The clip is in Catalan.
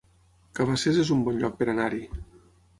Cabacés es un bon lloc per anar-hi